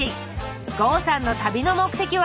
郷さんの旅の目的は？